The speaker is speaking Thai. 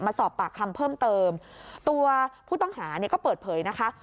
มาสอบปากคำเพิ่มเติมตัวผู้ต้องหาเนี่ยก็เปิดเผยนะคะ